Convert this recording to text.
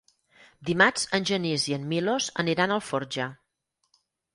Dimarts en Genís i en Milos aniran a Alforja.